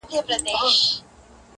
د جنت پر کوثرونو به اوبېږي-